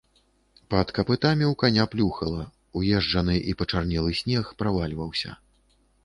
Пад капытамі ў каня плюхала, уезджаны і пачарнелы снег правальваўся.